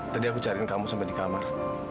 tadi aku cari kamu sampai di kamar